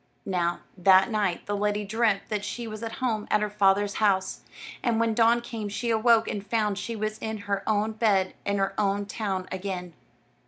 Now, that night the lady dreamt that she was at home at her father's house; and when dawn came she awoke and found she was in her own bed in her own town again.